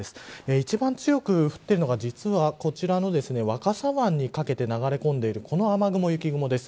一番強く降っているのが実は若狭湾にかけて流れ込んでいるこの雨雲、雪雲です。